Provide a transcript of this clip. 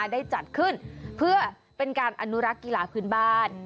ได้จัดขึ้นเพื่อเป็นการอนุรักษ์กีฬาพื้นบ้าน